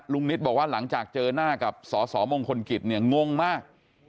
นิตบอกว่าหลังจากเจอหน้ากับสสมงคลกิจเนี่ยงงมาก